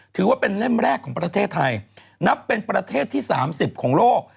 ถือว่าเป็นเล่มแรกของประเทศไทยนับเป็นประเทศที่๓๐ของโลก